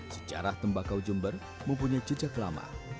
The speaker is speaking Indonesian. sejarah tembakau jember mempunyai jejak lama